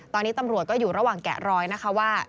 ตอนนี้ตำรวจก็อยู่ระหว่างแกะรอยนะคะว่า